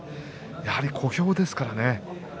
やはり、小兵ですからね。